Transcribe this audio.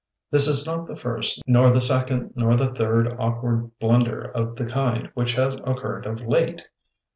This is not the first, nor the second nor the third awkward blunder of the kind which has occurred of late.